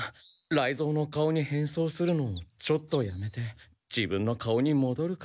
雷蔵の顔に変装するのもちょっとやめて自分の顔にもどるか。